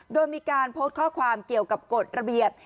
โดยมีการโพสต์ข้อความเกี่ยวกับกฎระเบียบ